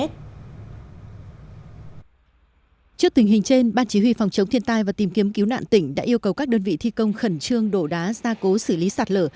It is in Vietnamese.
trước tình hình trên ban chỉ huy phòng chống thiên tai và tìm kiếm cứu nạn tỉnh đã yêu cầu các đơn vị thi công khẩn trương đổ đá ra cố xử lý sạt lở